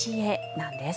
なんです。